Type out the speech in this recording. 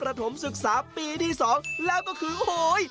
สนับสนธรรมศึกษาปีที่สองแล้วก็คือโหย